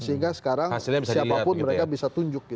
sehingga sekarang siapapun mereka bisa tunjuk